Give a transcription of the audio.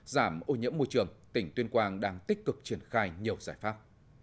giảm ô nhiễm môi trường tỉnh tuyên quang đang tích cực triển khai nhiều giải pháp